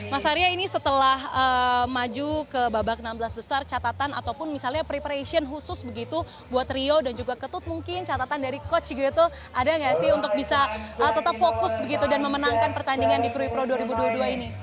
mas arya ini setelah maju ke babak enam belas besar catatan ataupun misalnya preparation khusus begitu buat rio dan juga ketut mungkin catatan dari coach shiguretul ada gak sih untuk bisa tetap fokus begitu dan memenangkan pertandingan di krui pro dua ribu dua puluh dua ini